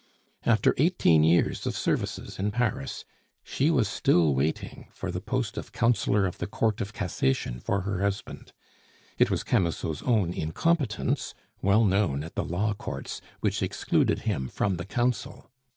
After eighteen years of services in Paris, she was still waiting for the post of Councillor of the Court of Cassation for her husband. It was Camusot's own incompetence, well known at the Law Courts, which excluded him from the Council.